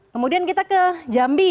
kemudian kita ke jambi